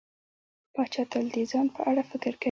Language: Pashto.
پاچا تل د ځان په اړه فکر کوي.